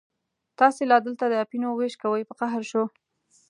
تاسې لا دلته د اپینو وېش کوئ، په قهر شو.